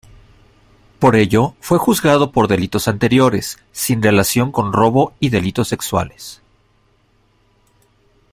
Por ello, fue juzgado por delitos anteriores, sin relación con robo y delitos sexuales.